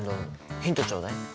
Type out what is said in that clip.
ヒントちょうだい。